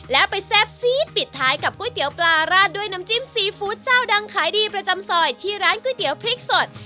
แล้วไปแซ่บซีดปิดท้ายกับก๋วยเตี๋ยวปลาราดด้วยน้ำจิ้มซีฟู้ดเจ้าดังขายดีประจำซอยที่ร้านก๋วยเตี๋ยวพริกสด